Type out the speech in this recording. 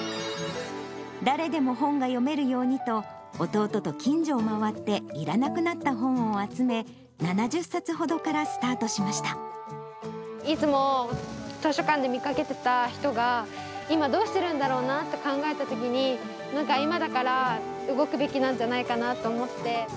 誰でも本が読めるようにと、弟と近所を周って、いらなくなった本を集め、いつも図書館で見かけてた人が、今どうしてるんだろうなって考えたときに、なんか今だから動くべきなんじゃないかなと思って。